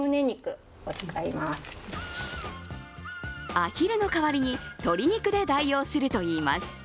アヒルの代わりに鶏肉で代用するといいます。